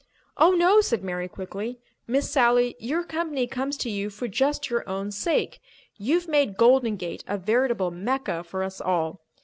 "Oh, no," said Mary quickly. "Miss Sally, your company comes to you for just your own sake. You've made Golden Gate a veritable Mecca for us all.